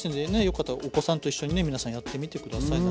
よかったらお子さんと一緒にね皆さんやってみて下さい。